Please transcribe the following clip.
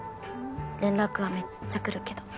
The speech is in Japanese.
連絡はめっちゃ来るけど。